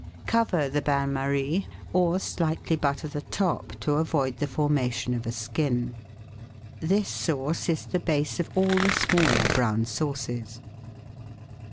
Cover the bain marie, or slightly butter the top to avoid the formation of a skin. This sauce is the base of all the smaller brown sauces.